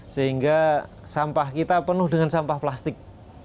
sehingga sampah kita penuh dengan sampah plastik